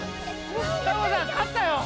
サボ子さんかったよ。